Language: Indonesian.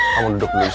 kamu duduk dulu easy